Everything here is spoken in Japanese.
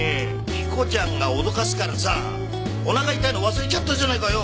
彦ちゃんが脅かすからさお腹痛いの忘れちゃったじゃないかよ！